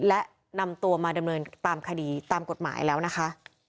และนำตัวมาดำเนินตามคดีตามกฎหมายแล้วนะคะ